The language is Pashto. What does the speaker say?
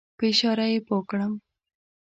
په اشاره یې پوی کړم.